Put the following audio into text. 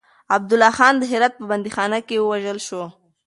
عبدالله خان د هرات په بنديخانه کې ووژل شو.